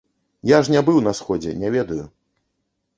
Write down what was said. Я ж не быў на сходзе, не ведаю.